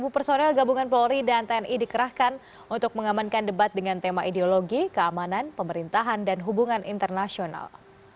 lima puluh personel gabungan polri dan tni dikerahkan untuk mengamankan debat dengan tema ideologi keamanan pemerintahan dan hubungan internasional